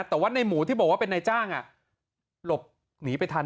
แต่ว่าในหมูที่บอกว่าเป็นนายจ้างหลบหนีไปทัน